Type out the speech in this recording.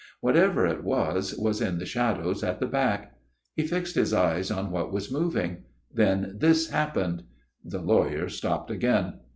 Whatever it was, was in the shadows at the back. He fixed his eyes on what was moving. Then this happened." The lawyer stopped again.